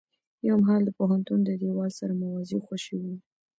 يو مهال د پوهنتون د دېوال سره موازي خوشې و.